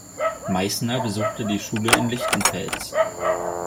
Meißner besuchte die Schule in Lichtenfels.